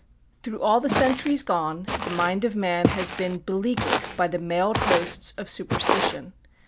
Through all the centuries gone, the mind of man has been beleaguered by the mailed hosts of superstition.